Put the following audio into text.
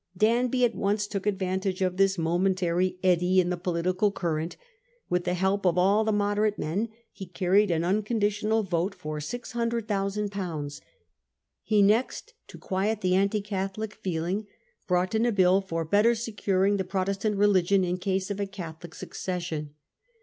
Danby at once took advantage of this momentary eddy in the political current. With the help of all the moderate men he carried an unconditional vote for 600,000 /. He next, to quiet the anti Catholic feeling, Bill for brought in a bill for better securing the Pro RrotStant testant religion in case of a Catholic succes religion. sion.